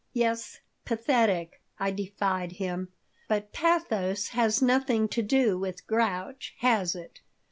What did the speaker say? "Yes, pathetic," I defied him. "But pathos has nothing to do with grouch, has it?"